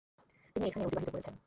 তিনি এখানে অতিবাহিত করেছেন।